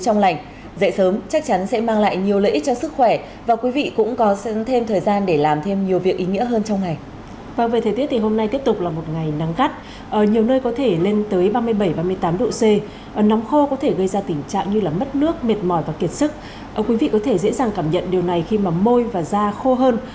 ông quý vị có thể dễ dàng cảm nhận điều này khi mà môi và da khô hơn